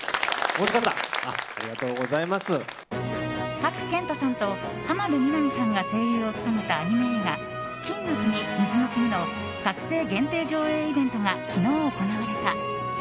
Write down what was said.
賀来賢人さんと浜辺美波さんが声優を務めたアニメ映画「金の国水の国」の学生限定上映イベントが昨日、行われた。